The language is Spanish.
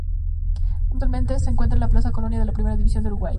Actualmente se encuentra en el Plaza Colonia de la Primera División de Uruguay.